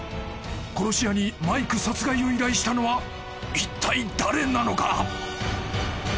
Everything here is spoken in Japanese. ［殺し屋にマイク殺害を依頼したのはいったい誰なのか？］